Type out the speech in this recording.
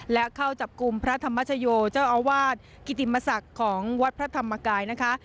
และเข้าจับกลุ่มพระธรรมชโยเจ้าอาวาสกิติมศักดิ์ของวัดพระธรรมกายนะคะ